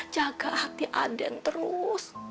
jaga hati aden terus